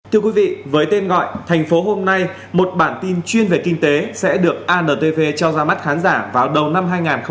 thưa quý vị với tên gọi thành phố hôm nay một bản tin chuyên về kinh tế sẽ được antv cho ra mắt khán giả vào đầu năm hai nghìn hai mươi